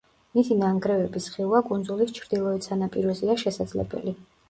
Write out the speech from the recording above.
მისი ნანგრევების ხილვა კუნძულის ჩრდილოეთ სანაპიროზეა შესაძლებელი.